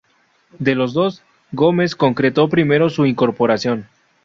De los dos, Gómez concretó primero su incorporación.